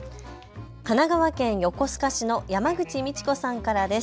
神奈川県横須賀市の山口美智子さんからです。